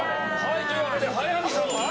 というわけで早見さんが。